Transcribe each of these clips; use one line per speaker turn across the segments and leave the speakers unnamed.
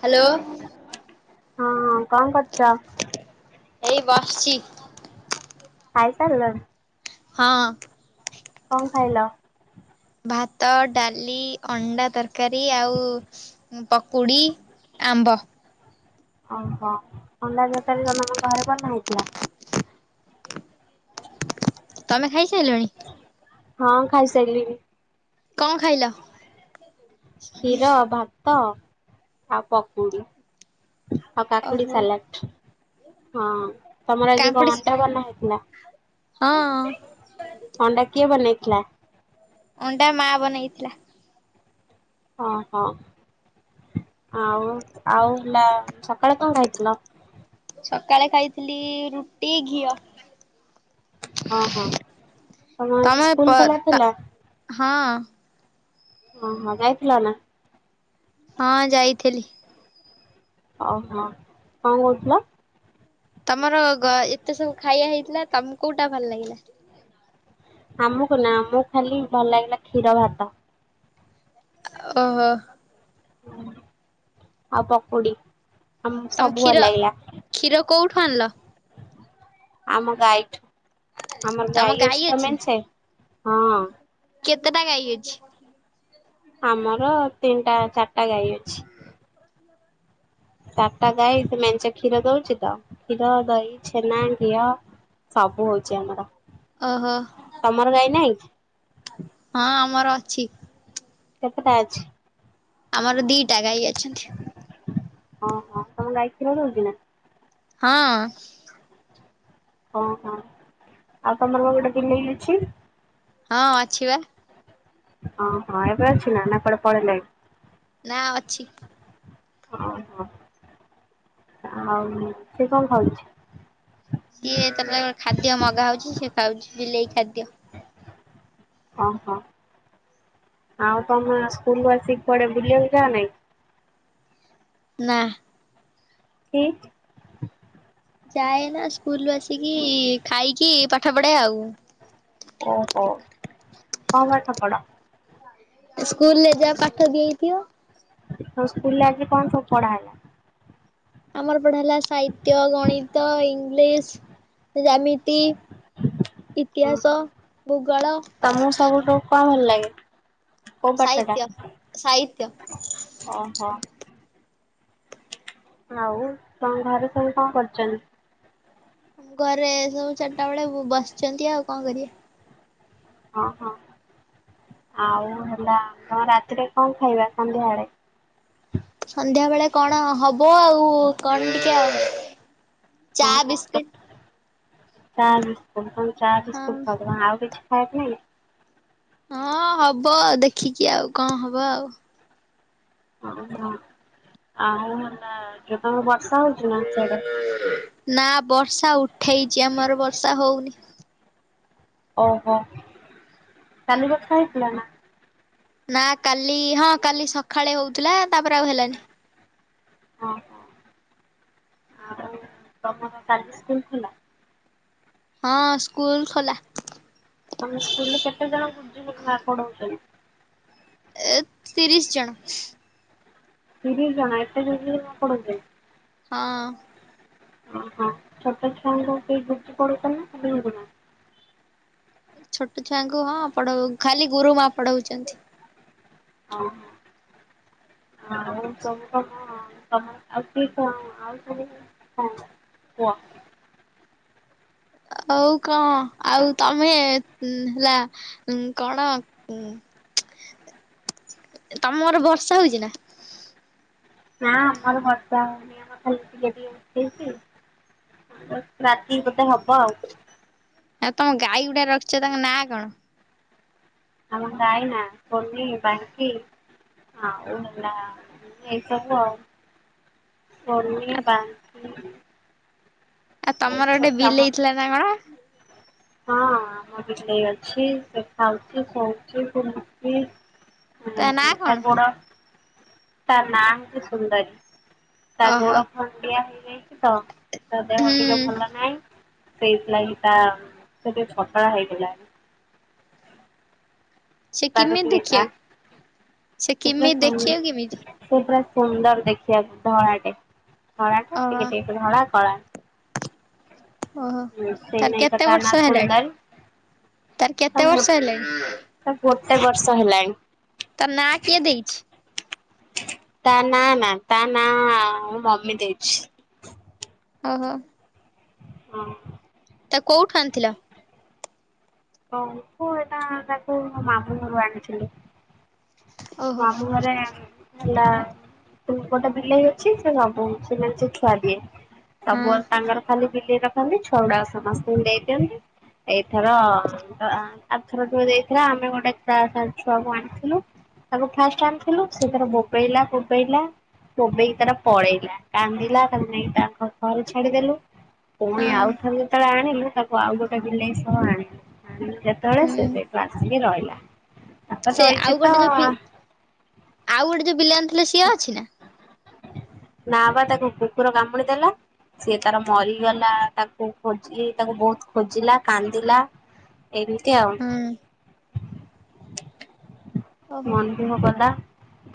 Hello.
ହଁ କଣ କରୁଛ?
ଏଇ ବସିଛି।
ଖାଇ ସାରିଲଣି।
ହଁ।
କଣ ଖାଇଲ?
ଭାତ ଡାଲି ଅଣ୍ଡା ତରକାରୀ ଆଉ। ଉଁ ପକୁଡି ଆମ୍ବ।
ଓ ହୋ ଅଣ୍ଡା ତକାରି ତମର କଁ ଘରେ ଘରେ ବନା ହେଇଥିଲା ହେଇଥିଲା।
ତମେ ଖାଇସାଇଲଣି।
ହଁ ଖାଇ ସାଇଲିଣି।
କଣ ଖାଇଲ?
କ୍ଷୀର ଭାତ। ଆଉ ପକୁଡି। ଆଉ କାକୁଡି
ଓହୋ
ସାଲାଟ୍ ହଁ ତମର ଆଜି କଁ
କାଙ୍କୁଡି
ଅଣ୍ଡା ବନା ହେଇଥିଲା।
ହଁ।
ଅଣ୍ଡା କିଏ ବନେଇଥିଲା?
ଅଣ୍ଡା ମା ବନେଇଥିଲା।
ଅଁ ହଁ ଆଉ ଆଉ ଲ ସକାଳେ କଁ ଖାଇଥିଲ?
ସକାଳେ ଖାଇଥିଲି ରୁଟି ଘିଅ।
ଅଁ ହଁ ତମର ଆଜି
ତମେ ପ
ସ୍କୁଲ ଖୋଲା
ତ
ଥିଲା।
ହଁ।
ଓହୋ ଯାଇଥିଲ ନା।
ହଁ ଯାଇଥିଲି।
ଓ ହଁ କଁ କହୁଥିଲ।
ତମର ‌ଗ ଏତେ ସବୁ ଖାଇବା ହେଇଥିଲା ତମକୁ କୋଉଟା ଭଲ ଲାଗିଲା।
ଆମକୁ ନା ଅମକୁ ଖାଲି ଭଲ ଲାଗିଲା କ୍ଷୀର ଭାତ।
ଅ ଓହୋ।
ଆଉ ପକୁଡି। ଆମକୁ
ତମ
ସବୁ ଭଲ
କ୍ଷୀର
ଲାଗିଲା।
କ୍ଷୀର କୋଉଠୁ ଆଣିଲ?
ଆମ ଗାଈଠୁ ଆମର ଗାଈ ଅଛି ତ ମେ ଛେ ହଁ।
କେତେଟା ଗାଈ ଅଛି।
ଆମର ତିନିଟା ଚାରିଟା ଗାଈ ଅଛି। ଚାରିଟା ଗାଈ ସେ ମେଞ୍ଚେ କ୍ଷୀର ଦଉଛି ତ କ୍ଷୀର ଦହି ଛେନା ଘିଅ। ସବୁ ହଉଛି ଆମର।
ଓହୋ।
ତମର ଗାଈ ନାହିଁକି?
ହଁ ଆମର ଅଛି।
କେତେ ଟା ଆଛି?
ଆମର ଦିଟା ଗାଈ ଅଛନ୍ତି।
ଅଁ ହଁ ତମ ଗାଈ କ୍ଷୀର ଦଉଚି ନା?
ହଁ।
ଓହୋ ଆଉ ତମର ପା ଗୋଟେ ବିଲେଇ ଅଛି?
ହଁ ଅଛି ବା।
ଓହଁ ଏବେ ଅଛି ନା ନା କୁଆଡେ ପଳେଇଲାଣି?
ନା ଅଛି।
ଓହୋ ଆଉ ସେ କଣ ଖାଉଚି?
ସିଏ ଏତେ ପ୍ରକାର ଖାଦ୍ୟ ମଗା ହଉଚି ସେ ଖାଉଚି ବିଲେଇ ଖାଦ୍ୟ।
ହଁ ହଁ। ଆଉ ତମେ ସ୍କୁଲୁରୁ ଆସିକି କୁଆଡେ ବୁଲିଆକୁ ଯାଅ ନା କି?
ନା।
କି?
ଚା ନା ସ୍କୁଲୁରୁ ଆସିକି ଖାଇକି ପାଠ ପଢେ ଆଉ।
ଓହୋ ହଁ କଣ ପାଠ ପଢ଼?
ସ୍କୁଲ ରେ ଯାହା ପାଠ ଦିଆଇଥିବ।
ତମ ସ୍କୁଲ ରେ ଆଜି କଣ ସବୁ ପଢା ହେଲା?
ଆମର ପଢା ହେଲା ସାହିତ୍ୟ, ଗଣିତ, ଇଂଲିଶ, ଜାମିତି। ଇତିହାସ ଭୂଗୋଳ।
ତମୁକୁ ସବୁଠୁ କଣ ଭଲ ଲାଗେ କୋଉ ପାଠ ଟା?
ସାହିତ୍ୟ। ସାହିତ୍ୟ।
ଓହ। ଆଉ ତମ ଘରେ ସବୁ କଣ କରୁଚନ୍ତି?
ଘରେ ସବୁ ଚାରିଟା ବେଳେ ବ ବସିଚନ୍ତି ଆଉ କଣ କରିବେ।
ହଁ ହଁ ଆଉ ହେଲା ତମ ରାତିରେ କଣ ଖାଇବା ସନ୍ଧ୍ୟା ଵେଳେ?
ସନ୍ଧ୍ୟାବେଳେ କଣ ହବ ଆଉ କଣ ଟିକେ ଆଉ। ଚା
ହଁ ହଁ
ବିସ୍କିଟ୍।
ଚା ବିସ୍କୁଟ୍ କଣ ଚା
ହଁ
ବିସ୍କୁଟ୍ ଖାଉଚ କଣ ଆଉ କିଛି ଖାୟାକୁ ନାହିଁ?
ହଁ ହବ ଦେଖିକି ଆଉ କଣ ହବ ଆଉ।
ଓହୋ ଆଉ ହେଲା ଯୋଉ ତମର ବର୍ଷା ହଉଚି ନା ସିଆଡେ?
ନା ବର୍ଷା ଉଠେଇଚି ଆମର ବର୍ଷା ହଉନି।
ଓହୋ କାଲି ବର୍ଷା ହେଇଥିଲା ନା?
ନା କାଲି ହଁ କାଲି ସକାଳେ ହଉଥିଲା, ତାପରେ ଆଉ ହେଲାନି।
ହଁ ହଁ ଆଉ ତମର କାଲି ସ୍କୁଲ ଖୋଲା?
ହଁ ସ୍କୁଲ୍ ଖୋଲା।
ତମ ସ୍କୁଲରେ କେତେ ଜଣ ଗୁରୁଜୀ ଗୁରୁମା ପଢଉଚନ୍ତି?
ଏ ତିରିଶ ଜଣ।
ତିରିଶ ଜଣ, ଏତେ ଗୁରୁଜୀ, ଗୁରୁମା ପଢ଼ଉଚନ୍ତି।
ହଁ।
ଓହୋ, ଛୋଟ ଛୁଆଙ୍କୁ କି ଗୁରୁଜୀ ପାଦଉଚନ୍ତି ନା ଖାଲି ଗୁରୁମା?
ଛୋଟ ଛୁଆଙ୍କୁ ହଁ ପଢ ଖାଲି ଗୁରୁ ମା ପଢଉଚନ୍ତି।
ହଁ ହଁ। ହଁ, ଆଉ ସବୁ କଣ ତମ ଆଉ କି କଣ ଆଉ ସବୁ ହଁ କୁଅ।
ଆଉ କଣ ଆଉ ତମେ ହେଲା କଣ
[inaudible]
ତମର ବର୍ଷା ହଉଛି ନା?
ନା ଆମର ବର୍ଷା ହଉନି। ଆମର ଖାଲି ଟିକେ ଟିକେ ଉଠେଇଚି। ରାତି କି ବୋଧେ ହବ ଆଉ।
ଆଉ ତମ ଗାଈ ଗୁଡ଼ା ରଖିଛ ତାଙ୍କ ନାଁ କଣ?
ଆମ ଗାଈ ନାଁ ବନି, ବାଙ୍କି। ଆଉ ହେଲା ଏଇ ସବୁ ଆଉ। ବନି, ବାଙ୍କୀ।
ଆଉ ତମର ଗୋଟେ
ଅଛି ଆମ
ବିଲେଇ ଥିଲା ନା କଣ?
ହଁ, ଆମର ବିଲେଇ ଅଛି ସେ ଖାଉଛି, ଶୋଉଛି, ବୁଲୁଛି।
ନାଁ
ତା
କଣ?
ଗୋଡୋ ତା ନା ହଉଛି ସୁନ୍ଦରୀ। ତା
ଓହୋ
ଗୋଡ଼ ଟିକେ ଖଣ୍ଡିଆ ହେଇଯାଇଛି ତ ତା ଦେହ
ହୁଁ
ଟିକେ ଭଲ ନାହିଁ। ସେଇଥିଲାଗି ତା ସେ ଟିକେ ପତଳା ହେଇଗଲାଣି। [unintelligible] ସେ
କେମିତି
ପୁରା
ଦେଖିବାକୁ ସେ କେମିତି ଦେଖିବାକୁ କେମିତି?
ସୁନ୍ଦର ଦେଖିବାକୁ ଧଳାଟେ। ଧଳା ଟା
ଓହୋ
ଟିକେ ଟିକେ ଧଳା କଳା।
ଓହୋଃ,
ହୁଁ ସେଇ
ତାର
ନାଇକା
କେତେ
ତା ନାଁ
ବର୍ଷ ହେଲାଣି?
ସୁନ୍ଦରୀ।
ତାର କେତେ
ତାକୁ ଗୋ
ବର୍ଷ ହେଲାଣି?
ତାକୁ ଗୋଟେ ବର୍ଷ ହେଲାଣି।
ତା ନାଁ କିଏ ଦେଇଛି?
ତା ନାଁ ନା, ତା ନାଁ ମୋ ମମି ଦେଇଛି।
ଓହୋଃ।
ହଁ।
ତାକୁ କୋଉଠୁ ଆଣି ଥିଲ?
କୋଉଠୁ ଏଟା ତାକୁ ମୋ ମୁଁ ଘରୁ ଆଣିଥିଲି।
ଓହୋ
ମାମୁଁ ଘରେ ହେଲା ଗୋଟେ ବିଲେଇ ଅଛି ସେ ସବୁକିଛି ମାନେ ସେ ଛୁଆ ଦିଏ।
ହଁ
ସବୁବେଳେ ତାଙ୍କର ଖାଲି ବିଲେଇ ରଖନ୍ତି ଛୁଆ ଗୁଡ଼ା ସମସ୍ତଙ୍କୁ ଦେଇ ଦିଅନ୍ତି। ଏଇଥର ଆରଥର ଯୋଉ ଦେଇଥିଲା ଆମେ ଗୋଟେ ତା ଠାରୁ ଛୁଆକୁ ଆଣିଥିଲୁ। ତାକୁ ଫାଷ୍ଟ ଆଣିଥିଲୁ ସେ ତାର ବୋବେଇଲା ବୋବେଇଲା ବୋବେଇକି ତାରା ପଳେଇଲା, କାନ୍ଦିଲା ତାକୁ ନେଇ ତାଙ୍କ ଘର ଛାଡିଦେଲୁ। ପୁଣି
ହଁ
ଆଉ ଥରେ ଯେତେବେଳେ ଆଣିଲୁ, ତାକୁ ଆଉ ଗୋଟେ ବିଲେଇ ସହ ଆଣିଲୁ। ଆଣିଲୁ ଯେତେବେଳେ ସେ
ହୁଁ।
ସେଇଠୁ ଆସିକି ରହିଲା।
ସେ
ତାପରେ
ଆଉ
ରହିଛି ତ।
ଗୋଟେ ଯୋଉ ବି ଆଉ ଗୋଟେ ଯୋଉ ବିଲାଇ ଆଣିଥିଲ ସିଏ ଅଛି ନା?
ନା ବା ତାକୁ କୁକୁର କାମୁଡି ଦେଲା। ସିଏ ତାର ମରିଗଲା। ତାକୁ ଖୋଜି ତାକୁ ବହୁତ ଖୋଜିଲା କାନ୍ଦିଲା। ଏମତି ଆଉ।
ହୁଁ ଓହୋ
ମନଦୁଃଖ କଲା।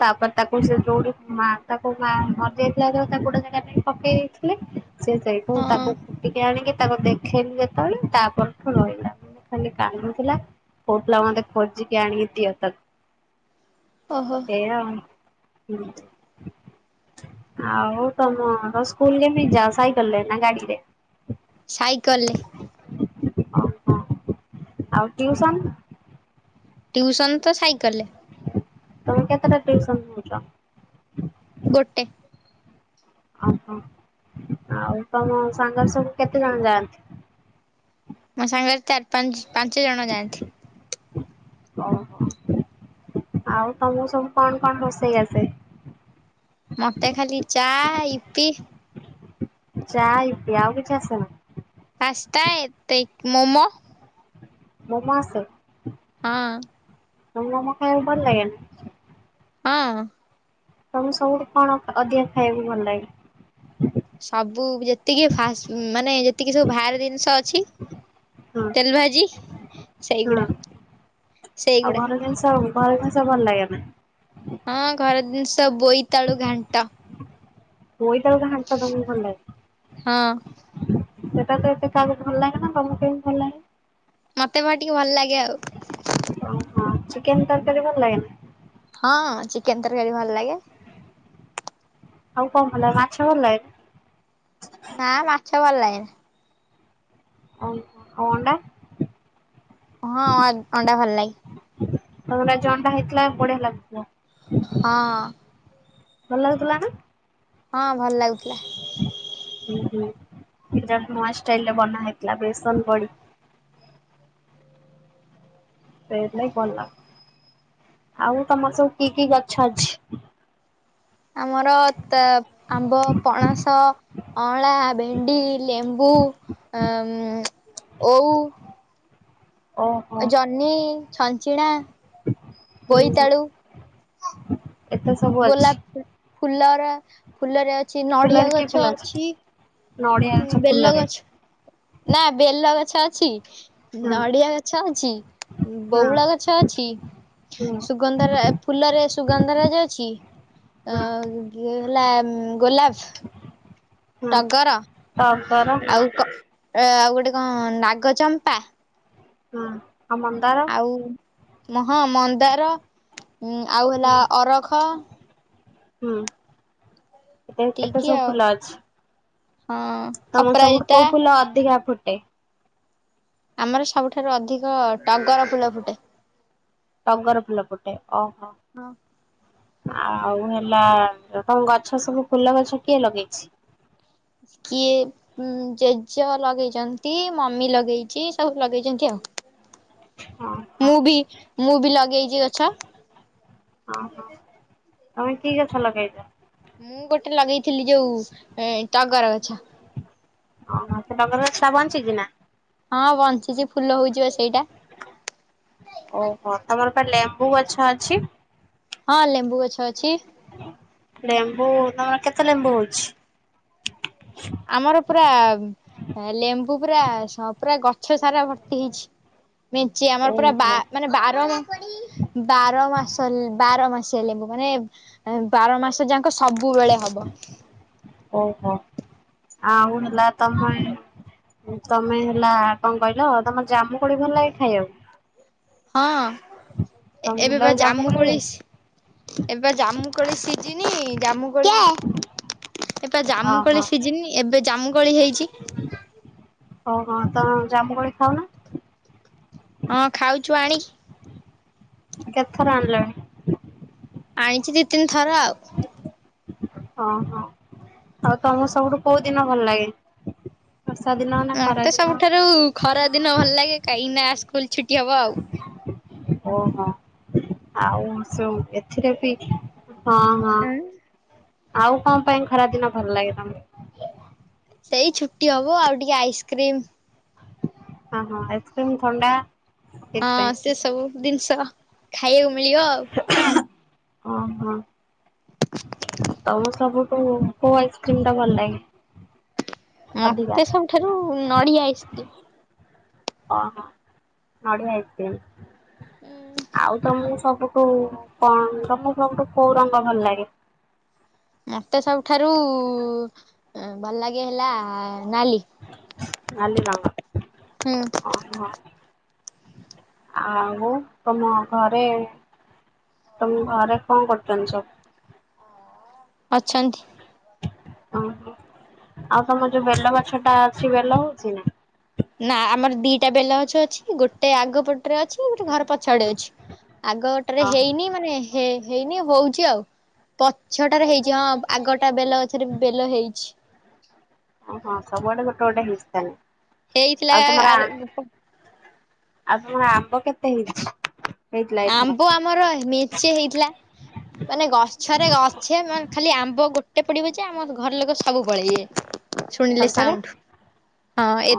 ତାପରେ ତାକୁ ତାକୁ ସିଏ ଯୋଉଠି ମା ତାକୁ ମା ମରିଯାଇଥିଲା ଯେତେବେଳେ ତାକୁ ଗୋଟେ ଜେଗାରେ ନେଇ କି ପକେଇ ଦେଇଥି ଲେ, ସେ ସେଇଠୁ
ହଁ
ତାକୁ [unintelligible] ଆଣିକି ତାକୁ ଦେଖ ଦେଖେଇଲୁ ଯେତେବେଳେ ତା ପରଠୁ ରହିଲା। ମାନେ ଖାଲି କାନ୍ଦୁଥିଲା। କଉଥିଲା ମତେ ଖୋଜିକି ଆଣିକି ଦିଅ ତାକୁ।
ଓହୋଃ।
ଏଇଆ ଆଉ। ହୁଁ। ଆଉ ତମର ସ୍କୁଲ କେମିତି ଯାଅ ସାଇକେଲରେ ନା ଗାଡିରେ?
ସାଇକଲରେ।
ହଁ। ହଁ ଆଉ ଟିଉସନ?
ଟିଉସନ୍ ତ ସାଇକେଲରେ।
ତମେ କେତେଟା ଟନସନ ହଉଚ?
ଗୋଟେ।
ଓହୋ। ଆଉ ତମ ସାଙ୍ଗ ସବୁ କେତେ ଜଣ ଯାଆନ୍ତି?
ମୋ ସାଙ୍ଗରେ ଚାରି ପାଞ୍ଚ ପାଞ୍ଚ ଜଣ ଯାଆନ୍ତି।
ଓ ହୋ। ଆଉ ତମକୁ ସବୁ କଣ କଣ ରୋଷେଇ ଆସେ?
ମତେ ଖାଲି ଚା ଇପି।
ଚା ଇପି ଆଉ କିଛି ଆସେନା?
ପାସ୍ତା ଏତିକି ମୋମୋ।
ମୋମୋ ଆସେ?
ହଁ।
[unintelligible] ମୋମୋ ଖାଇବାକୁ ଭଲ ଲାଗେନ?
ହଁ।
ତମକୁ ସବୁଠୁ କଣ ଅଧିକା ଖାଇବାକୁ ଭଲ ଲାଗେ?
ସବୁ ଯେତିକି ଫାସ ମାନେ ଯେତିକି ସବୁ ବାହାରେ ଜିନିଷ ଅଛି।
ହଁ
ତେଲ ଭାଜି ସେଇଗୁଡା ସେଇଗୁଡା।
[unintelligible] ଘରେ ଜିନଷ ଭଲ ଲାଗେନା?
ହଁ ଘର ଜିନିଷ ବୋଇତାଳୁ ଘାଣ୍ଟ।
ବୋଇତାଳୁ ଘାଣ୍ଟ ତମକୁ ଭଲ ଲାଗେ?
ହଁ
ସେଇଟା ତ ଏତେ କାହାକୁ ଭଲ ଲାଗେନା, ତମକୁ କେମିତି ଭଲ ଲାଗେ?
ମୋତେ ବା ଟିକେ ଭଲ ଲାଗେ ଆଉ।
ଓହୋ। ଚିକେନ ତରକାରୀ ଭଲ ଲାଗେନି?
ହଁ ଚିକେନ ତରକାରୀ ଭଲ ଲାଗେ।
ଆଉ କଣ ଭଲ ଲାଗେ ମାଛ ଭଲ ଲାଗେ?
ନା ମାଛ ଭଲ ଲାଗେନି।
ଓ ଆଉ ଅଣ୍ଡା?
ହଁ ଅଣ୍ଡା ଭଲ ଲାଗେ।
ତମର ଆଜି ଅଣ୍ଡା ହେଇଥିଲା ବଢିଆ ଲାଗୁଥିବ।
ହଁ।
ଭଲ ଲାଗୁଥିଲା ନା?
ହଁ ଭଲ ଲାଗୁଥିଲା।
ହୁଁ ହୁଁ ସେଟା ନୂଆ ଷ୍ଟାଇଲରେ ବନା ହେଇଥିଲା ବେସନ ପଡ଼ିକି। ସେଇଥିପାଇଁ ଭଲ ଲାଗୁଥିଲା। ଆଉ ତମର ସବୁ କି କି ଗଛ ଅଛି?
ଆମର ତ ଆମ୍ବ, ପଣସ ଅଁଳା, ଭେଣ୍ଡି, ଲେମ୍ବୁ, ଉମ୍ ଓଉ
ଓହୋ।
ନି, ଛଞ୍ଚିଣା
ହୁଁ,
ବୋଇତାଳୁ,
ହୁଁ। ଏତେ ସବୁ ଅଛି
ଗୋଲାପ ଫୁଲ ଫୁଲର ଫୁଲରେ ଅଛି
ଫୁଲରେ
ନଡିଆ
କି
ଗଛ
ଫୁଲ
ଅଛି
ନଡିଆ
ହୁଁ,
ଗଛ
ବେଲ
ଫୁଲରେ
ଗଛ, ନା ବେଲ ଗଛ ଅଛି
ହଁ
ନଡ଼ିଆ ଗଛ ଅଛି,
ହଁ
ବଉଳ ଗଛ ଅଛି,
ହୁଁ
ସୁ ସୁଗନ୍ଧରା ଫୁଲରେ ସୁଗନ୍ଧରାଜ ଅଛି ଅ
ହୁଁ
ଏ ହେଲା ଗୋଲାପ
ହୁଁ।
ଟଗର
ଟଗର ହଁ
ଆଉ କ ଆଉ ଗୋଟେ କଣ ନାଗଚମ୍ପା
ହୁଁ, ଆ ମନ
ଆଉ ହଁ ମନ୍ଦାର, ଆଉ ହେଲା ଅରଖ
ହୁଁ। ଏତେ ଏତେ
ଏତିକିି
ସବୁ
ଆଉ ହଁ।
ତମର ସବୁଠୁ
ଅପରାଜିତା
କୋଉ ଫୁଲ ଅଧିକା ଫୁଟେ?
ଆମର ସବୁଠାରୁ ଅଧିକ ଟଗର ଫୁଲ ଫୁଟେ।
ଟଗର ଫୁଲ ଫୁଟେ। ଓହୋ।
ହଁ।
ଆଉ ହେଲା ତମ ଗଛ ସବୁ ଫୁଲ ଗଛ କିଏ ଲଗେଇଛି?
କିିଏ ଉମ୍ ଜେଜ ଲଗେଇଚନ୍ତି, ମମି ଲଗେଇଚି, ସବୁ ଲଗେଇଚନ୍ତି ଆଉ।
ଓହୋ
ମୁଁ ବି ମୁଁ ବି ଲଗେଇଚି ଗଛ।
ଉଁ ହୁଁ। ତମେ କି ଗଛ ଲଗେଇଚ?
ମୁଁ ଗୋଟେ ଲଗେଇଥିଲି ଯୋଉ ଉମ୍ ଏ ଟଗର ଗଛ।
ଓହୋ। ସେ ଟଗର ଗଛଟା ବଞ୍ଚିଛି ନା?
ହଁ ବଞ୍ଚିଛି, ଫୁଲ ହଉଚି ବା ସେଇଟା।
ଓହୋ। ତମର ପା ଲେମ୍ବୁ ଗଛ ଅଛି?
ହଁ, ଲେମ୍ବୁ ଗଛ ଅଛି।
ଲେମ୍ବୁ, ତମର କେତେ ଲେମ୍ବୁ ହଉଛି?
ଆମର ପୁରା ଲେମ୍ବୁ ପୁରା ସ ପୁରା ଗଛ ସାରା ଭର୍ତ୍ତି ହେଇଛି। ମେଞ୍ଚେ, ଆମର ପୁରା ବା
ଓହୋ
ମାନେ ବାର ବାରମାସ ଲେ ବାରମାସିଆ ଲେମ୍ବୁ ମାନେ ଏ ବାର ମାସ ଯାଙ୍କ ସବୁବେଳେ ହବ।
ଓହୋ। ଆଉ ହେଲା ତମେ ତମେ ହେଲା କଣ କହିଲ, ତମର ଜାମୁ କୋଳି ଭଲ ଲାଗେ ଖାଇବାକୁ?
ହଁ, ଏ-ଏବେ ବା ଜାମୁ କୋଳି ସି ଏବେ ବା ଜାମୁକୋଳି ସିଜିନି, ଜାମୁ କୋଳି ଏବେ
ଓହୋ
ଜାମୁକୋଳି ସିଜିନି, ଏବେ ଜାମୁକୋଳି ହେଇଛି।
ଓହୋ। ତମେ ଜାମୁକୋଳି ଖାଉନ?
ହଁ ଖାଉଛୁ ଆଣିକି।
କେତେଥର ଆଣିଲଣି?
ଆଣିଛି ଦି ତିନି ଥର ଆଉ।
ହଁ, ହଁ। ଆଉ ତମକୁ ସବୁଠୁ କୋଉ ଦିନ ଭଲ ଲାଗେ? ବର୍ଷା ଦିନ ନା ଖରା
ମତେ
ଦିନ
ସବୁଠାରୁ ଖରା ଦିନ ଭଲ ଲାଗେ କାହିଁକିନା ସ୍କୁଲ ଛୁଟି ହବ ଆଉ।
ଓହୋ। ଆଉ ସବୁ ଏଥିରେ ବି ହଁ। ହଁ,
ଆଉ।
ଆଉ କଣ ପାଇଁ ଖରା ଦିନ ଭଲ ଲାଗେ ତମକୁ?
ସେଇ ଛୁଟି ହବ ଆଉ ଟିକେ ଆଇସ୍କ୍ରିମ୍
ହଁ, ହଁ, ଆଇସ୍କ୍ରିମ୍, ଥଣ୍ଡା
ହଁ
ସେଇଥିପାଇଁ।
ସେ ସବୁ ଜିନିଷ ଖାଇବାକୁ ମିଳିବ ଆଉ।
ହଁ ହଁ। ତମ ସବୁଠୁ କୋଉ ଆଇସ୍କ୍ରିମ୍ ଟା ଭଲ ଲାଗେ? ଅଧିକା
ମତେ ସବୁଠାରୁ ନଡ଼ିଆ ଆଇସ୍କ୍ରିମ୍।
ଓହୋ ନଡ଼ିଆ ଆଇସ୍କ୍ରିମ୍
ଉଁ
ଆଉ ତମକୁ ସବୁ କୋଉ କଣ ତମକୁ ସବଠୁ କୋଉ ରଙ୍ଗ ଭଲ ଲାଗେ?
ମତେ ସବୁଠାରୁ ଭଲ ଲାଗେ ହେଲା ନାଲି।
ନଲିିରଙ୍ଗ,
ହୁଁ
ଅହ। ଆଉ ତମ ଘରେ ତମ ଘରେ କଣ କରୁଛନ୍ତି ସବୁ?
ଅଛନ୍ତି।
ଓହୋ ଆଉ ତମ ଯୋଉ ବେଲ ଗଛ ଟା ଅଛି ବେଲ ହେଇଚି ନା?
ନା ଆମର ଦିଟା ବେଲ ଅଛି ଗୋଟେ ଆଗ ପଟରେ ଅଛି ଗୋଟେ ଘର ପଛଆଡ଼େ ଅଛି ଆଗଟାରେ
ହଁ
ହେଇନି ମାନେ ହେଇ -ହେଇନି ହୋଉଚି ଆଉ। ପଛଟାରେ ହେଇଚି ହଁ ଆଗଟା ବେଲ ଗଛରେ ବେଲ ହେଇଚି।
ଓହୋ ସବୁଆଡ଼େ ଗୋଟେ ଗୋଟେ ହେଇଚି ତାହେଲେ
ହେଇଥିଲା
ଆଉ ତମର
ଆର
ଆ ଆଉ ତମର ଆମ୍ବ କେତେ ହେଇଚି?
ଆମ୍ବ ଆମର ମେଞ୍ଚେ ହେଇଥିଲା। ମାନେ ଗଛରେ ଗଛ ମେ ଖାଲି ଆମ୍ବ ଗୋଟେ ପଡ଼ିବ ଯେ ଆମ ଘର ଲୋକ ସବୁ ପଳେଇବେ। ଶୁଣିଲେ
ସତରେ?
ସାଉଣ୍ଡ ହଁ, ଏ